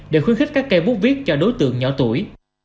để khuyến khích các cây bút viết cho đối tượng nhỏ tuổi